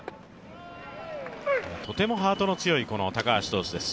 とてもハートの強いこの高橋投手です。